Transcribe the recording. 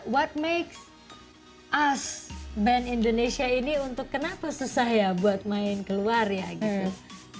what makes us band indonesia ini untuk kenapa susah ya buat main keluar ya gitu